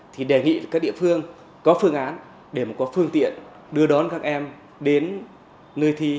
thì đề nghị các địa phương có phương án để mà có phương tiện đưa đón các em đến nơi thi